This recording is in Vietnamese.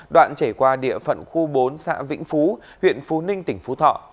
đoạn chảy qua địa phận khu bốn xã vĩnh phú huyện phú ninh tỉnh phú thọ